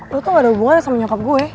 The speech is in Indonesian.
lo tuh gak ada hubungan sama nyokap gue